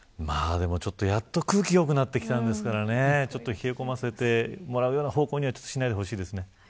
やっと空気が良くなってきたんですからね冷え込ませてもらうような方向にはしないでほしいですね。